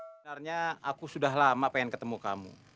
sebenarnya aku sudah lama pengen ketemu kamu